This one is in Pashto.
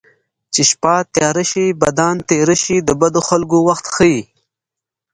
چې شپه تیاره شي بدان تېره شي د بدو خلکو وخت ښيي